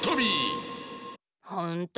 ほんと？